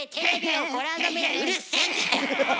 うるせえんだよ！